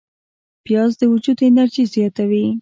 پیاز د وجود انرژي زیاتوي